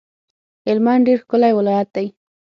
هلمند ډیر ښکلی ولایت دی